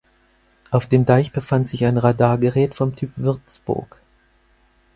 Auf dem Deich befand sich ein Radargerät vom Typ Würzburg.